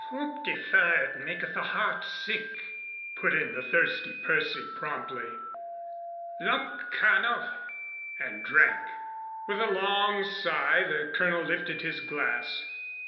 "Hope deferred maketh the heart sick," put in the thirsty Percy promptly. "Luck, Colonel!" and drank. With a long sigh the Colonel lifted his glass.